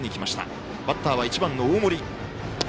バッターは１番、大森。